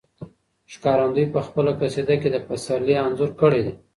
ښکارندوی په خپله قصیده کې د پسرلي انځور کړی دی.